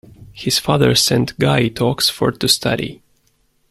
His father sent Ghai to Oxford to study.